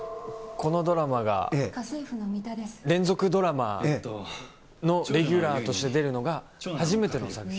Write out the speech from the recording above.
このドラマが、連続ドラマのレギュラーとして出るのが初めての作品。